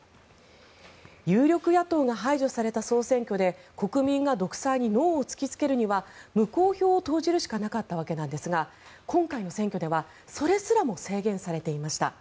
有力野党が排除された総選挙で国民が独裁にノーを突きつけるには無効票を投じるしかなかったわけですが今回の選挙ではそれすらも制限されていました。